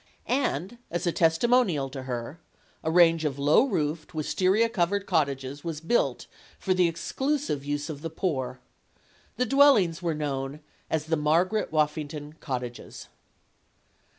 And, as a testimonial to her, a range of low roofed, wistaria covered cottages was built for the exclusive use of the poor. The dwellings were known as "The Margaret Woffington Cottages."